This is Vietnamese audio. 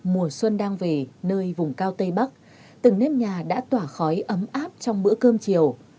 mùa xuân đang về nơi vùng cao tây bắc từng nếp nhà đã tỏa khói ấm áp trong bữa cơm chiều